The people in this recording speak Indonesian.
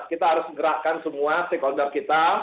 kita harus gerakkan semua stakeholder kita